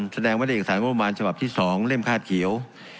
แสดงไว้ในเอกสารงบมันภศ๒เล่มคาดเกี่ยว